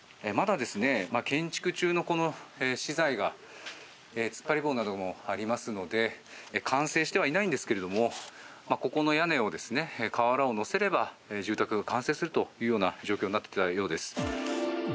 まだ建築中のこの資材が突っ張り棒などもありますので完成してはいないんですけどもここの屋根を瓦を乗せれば住宅が完成するというような状況になっていたようです。